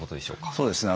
そうですね。